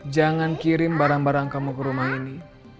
jangan kirim barang barang kamu ke rumah ini